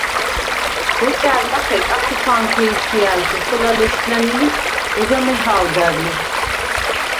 გოჭა̈რ ლახე კაჩუქვა̄ნთე ითჲა̄̈ლხ ი ხოლა ლეშდნა̄̈ნი ლიხ, ეჯა მეჰა̄ვდარ ლი.